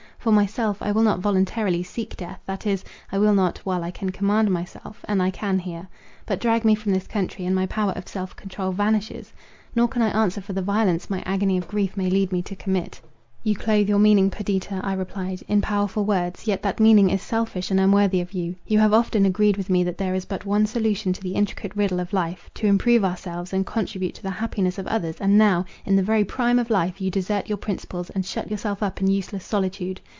For myself, I will not voluntarily seek death, that is, I will not, while I can command myself; and I can here. But drag me from this country; and my power of self control vanishes, nor can I answer for the violence my agony of grief may lead me to commit." "You clothe your meaning, Perdita," I replied, "in powerful words, yet that meaning is selfish and unworthy of you. You have often agreed with me that there is but one solution to the intricate riddle of life; to improve ourselves, and contribute to the happiness of others: and now, in the very prime of life, you desert your principles, and shut yourself up in useless solitude.